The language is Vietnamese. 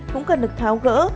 cũng cần được tháo gỡ